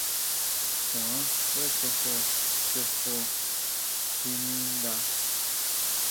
Kuan kʼuetsojo chojo xi mi ndá.